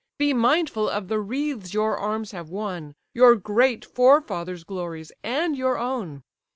Be mindful of the wreaths your arms have won, Your great forefathers' glories, and your own.